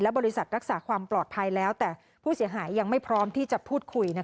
บริษัทรักษาความปลอดภัยแล้วแต่ผู้เสียหายยังไม่พร้อมที่จะพูดคุย